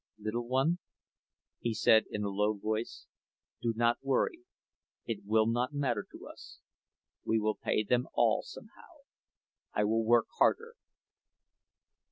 "Little one," he said, in a low voice, "do not worry—it will not matter to us. We will pay them all somehow. I will work harder."